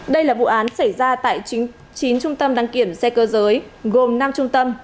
đây là vụ án xảy ra tại chín trung tâm đăng kiểm xe cơ giới gồm năm trung tâm